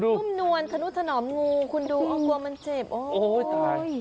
นุ่มนวลธนุถนอมงูคุณดูเอากลัวมันเจ็บโอ้ตาย